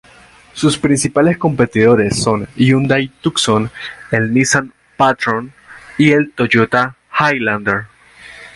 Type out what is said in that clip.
Sus principales competidores son el Hyundai Tucson, el Nissan Patrol y el Toyota Highlander.